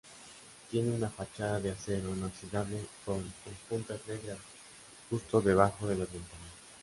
Tiene una fachada de acero inoxidable con enjutas negras justo debajo de las ventanas.